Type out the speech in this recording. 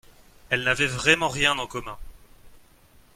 elle n’avait vraiment rien en commun.